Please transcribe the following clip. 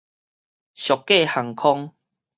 俗價航空